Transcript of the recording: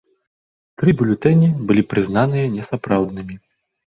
Тры бюлетэні былі прызнаныя несапраўднымі.